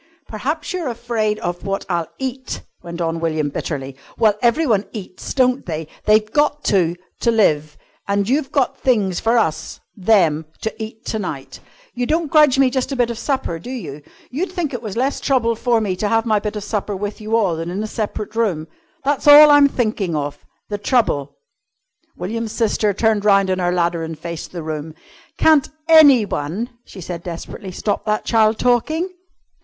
"P'raps you're afraid of what I'll eat," went on William bitterly. "Well, everyone eats, don't they? They've got to to live. And you've got things for us them to eat to night. You don't grudge me just a bit of supper, do you? You'd think it was less trouble for me to have my bit of supper with you all, than in a separate room. That's all I'm thinking of the trouble " William's sister turned round on her ladder and faced the room. "Can't anyone," she said desperately, "stop that child talking?"